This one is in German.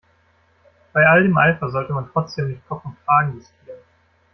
Bei all dem Eifer sollte man trotzdem nicht Kopf und Kragen riskieren.